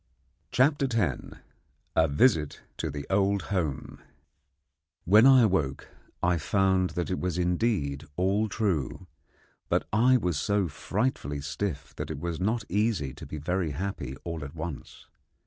CHAPTER X A VISIT TO THE OLD HOME When I awoke I found that it was indeed all true, but I was so frightfully stiff that it was not easy to be very happy all at once.